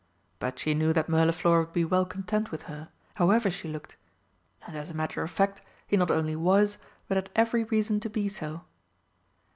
But she knew that Mirliflor would be well content with her, however she looked and as a matter of fact he not only was, but had every reason to be so.